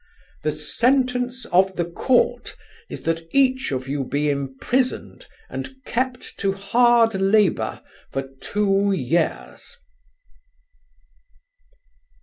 "The sentence of the court is that each of you be imprisoned and kept to hard labour for two years."